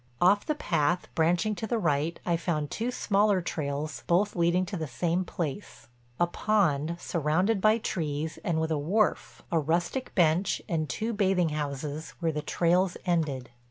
Off the path, branching to the right, I found two smaller trails both leading to the same place—a pond, surrounded by trees, and with a wharf, a rustic bench, and two bathing houses, where the trails ended.